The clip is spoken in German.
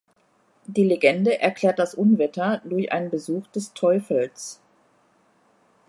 Die Legende erklärt das Unwetter durch einen Besuch des Teufels.